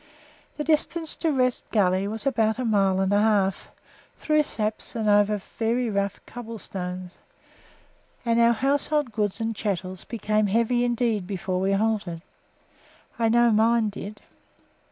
The distance to Rest Gully was about a mile and a half, through saps and over very rough cobble stones, and our household goods and chattels became heavy indeed before we halted; I know mine did.